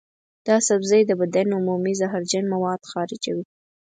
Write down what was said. دا سبزی د بدن عمومي زهرجن مواد خارجوي.